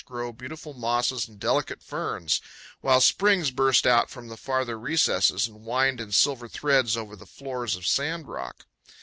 grow beautiful mosses and delicate ferns, while springs burst out from the farther recesses and wind in silver threads over floors of sand rock.